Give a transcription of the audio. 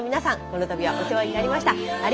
この度はお世話になりました。